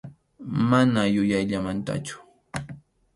Mana yuyayllamantachu.